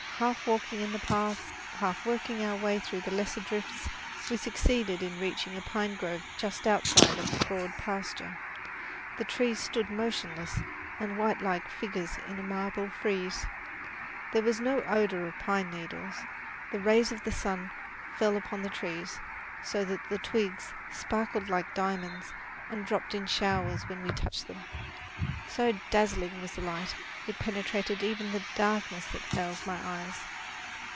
Half walking in the paths, half working our way through the lesser drifts, we succeeded in reaching a pine grove just outside a broad pasture. The trees stood motionless and white like figures in a marble frieze. There was no odour of pine needles. The rays of the sun fell upon the trees, so that the twigs sparkled like diamonds and dropped in showers when we touched them. So dazzling was the light, it penetrated even the darkness that veils my eyes.